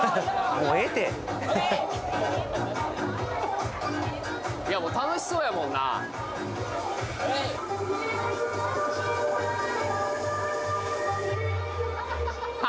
もうええてははっいやもう楽しそうやもんなははは